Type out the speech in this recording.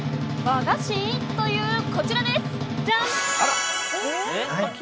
和菓子！？というこちらです。